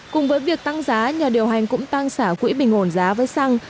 cùng với việc tăng giá nhà điều hành cũng tăng xả quỹ bình ổn giá với xăng